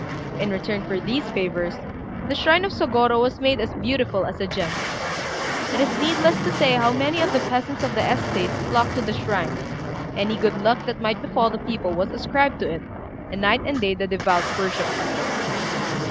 In return for these favours, the shrine of Sôgorô was made as beautiful as a gem. It is needless to say how many of the peasants of the estate flocked to the shrine: any good luck that might befall the people was ascribed to it, and night and day the devout worshipped at it.